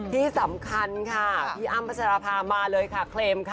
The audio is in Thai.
ที่สำคัญค่ะพี่อ้ำพัชรภามาเลยค่ะเคลมค่ะ